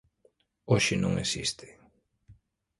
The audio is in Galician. Hoxe non existe.